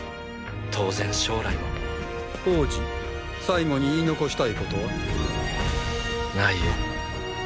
当然将来も王子最期に言い残したいことは？無いよ。